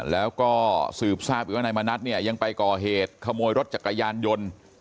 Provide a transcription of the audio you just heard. แล้วก็สืบทราบอีกว่านายมณัฐเนี่ยยังไปก่อเหตุขโมยรถจักรยานยนต์